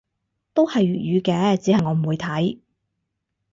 都係粵語嘅，只係我唔會睇